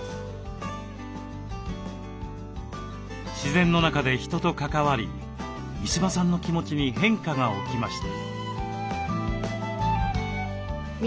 自然の中で人と関わり三嶋さんの気持ちに変化が起きました。